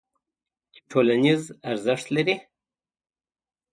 چې ټولنیز ارزښت لري.